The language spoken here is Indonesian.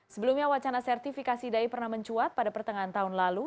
sebelumnya wacana sertifikasi dai pernah mencuat pada pertengahan tahun lalu